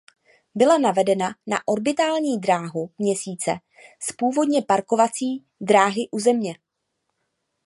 Byla navedena na orbitální dráhu Měsíce z původně parkovací dráhy u Země.